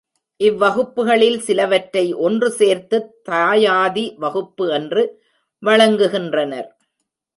இவ்வகுப்புகளில் சிலவற்றை ஒன்று சேர்த்துத் தாயாதி வகுப்பு என்று வழங்குகின்றனர்.